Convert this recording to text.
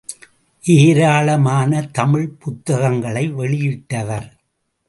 ஏராளமான தமிழ்ப் புத்தகங்களை வெளியிட்டவர்.